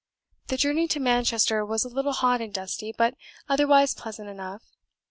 The journey to Manchester was a little hot and dusty, but otherwise pleasant enough.